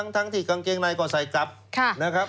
ทั้งที่กางเกงในก่อนใส่จับ